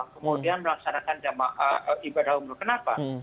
kemudian melaksanakan ibadah umroh kenapa